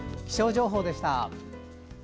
気象情報でした。